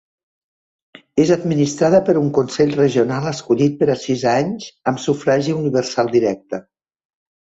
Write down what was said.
És administrada per un consell regional escollit per a sis anys amb sufragi universal directe.